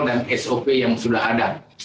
sop yang sudah ada